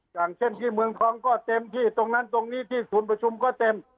อย่างเช่นที่เมืองทองก็เต็มที่ตรงนั้นตรงนี้ที่ศูนย์ประชุมก็เต็ม